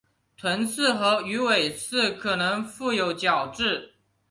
臀刺与尾刺可能覆有角质。